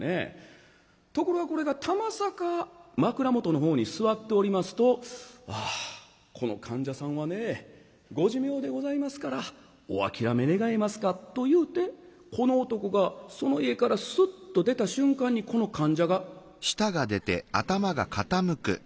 ところがこれがたまさか枕元の方に座っておりますと「ああこの患者さんはねご寿命でございますからお諦め願えますか」と言うてこの男がその家からスッと出た瞬間にこの患者が。